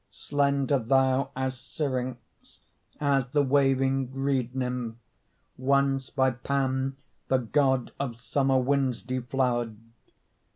Slender thou as Syrinx, As the waving reed nymph, Once by Pan, the god of Summer winds, deflowered.